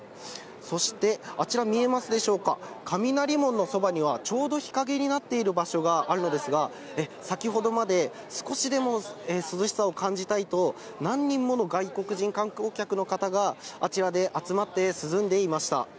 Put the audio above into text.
そしてあちら見えますでしょうか、雷門のそばには、ちょうど日陰になっている場所があるのですが、先ほどまで少しでも涼しさを感じたいと、何人もの外国人観光客の方が、あちらで集まって涼んでいました。